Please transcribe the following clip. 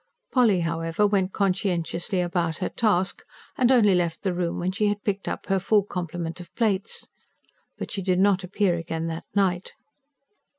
Polly, however, went conscientiously about her task, and only left the room when she had picked up her full complement of plates. But she did not appear again that night.